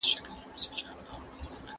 مدنیت د انسانانو ترمنځ اړیکې بدلې کړي دي.